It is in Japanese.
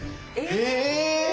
へえ！